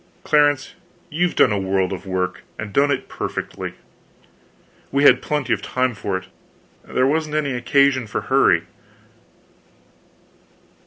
"Clarence, you've done a world of work, and done it perfectly." "We had plenty of time for it; there wasn't any occasion for hurry."